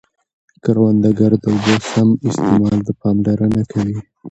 کروندګر د اوبو سم استعمال ته پاملرنه کوي